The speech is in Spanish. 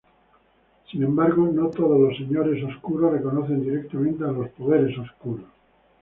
Sin embargo, no todos los Señores Oscuros reconocen directamente a los Poderes Oscuros.